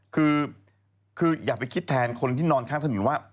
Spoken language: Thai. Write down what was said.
คืออย่าไปคิดแทนคนที่นอนข้างถนนว่า